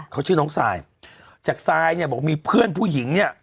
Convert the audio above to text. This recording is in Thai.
เขาชื่อน้องสายจากสายบอกว่ามีเพื่อนผู้หญิง